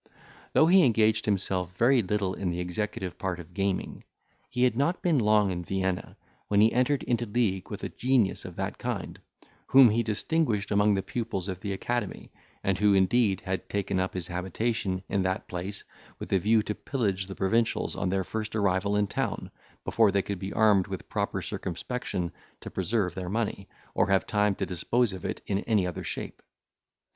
— Though he engaged himself very little in the executive part of gaming, he had not been long in Vienna, when he entered into league with a genius of that kind, whom he distinguished among the pupils of the academy, and who indeed had taken up his habitation in that place with a view to pillage the provincials on their first arrival in town, before they could be armed with proper circumspection to preserve their money, or have time to dispose of it in any other shape.